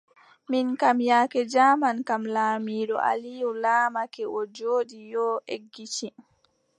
Min kam, yaake jaaman kam, laamiiɗo Alium laamake, o jooɗi yo, eggiti.